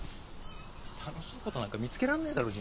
楽しいことなんか見つけらんねえだろ人生。